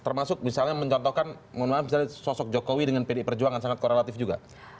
termasuk misalnya mencontohkan mohon maaf misalnya sosok jokowi dengan pdi perjuangan sangat korelatif juga